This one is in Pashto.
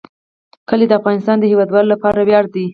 کلي د افغانستان د هیوادوالو لپاره ویاړ دی.